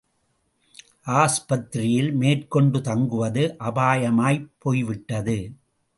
ஆஸ்பத்திரியில் மேற்கொண்டு தங்குவது அபாயமாய்ப் போய்விட்டது.